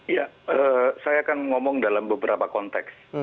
ya saya akan ngomong dalam beberapa konteks